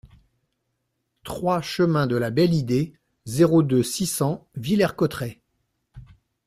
trois chemin de la Belle Idée, zéro deux, six cents Villers-Cotterêts